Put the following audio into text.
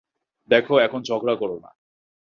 দেখো, এখন ঝগড়া করো না।